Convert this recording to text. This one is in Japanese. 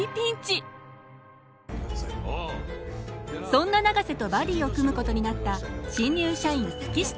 そんな永瀬とバディを組むことになった新入社員月下。